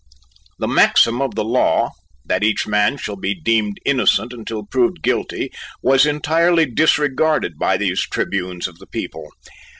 The maxim of the law "that each man shall be deemed innocent till proved guilty" was entirely disregarded by these tribunes of the people.